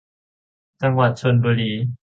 จังหวัดชลบุรี